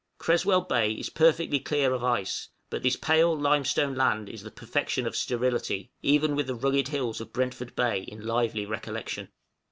Creswell Bay is perfectly clear of ice, but this pale limestone land is the perfection of sterility, even with the rugged hills of Brentford Bay in lively recollection.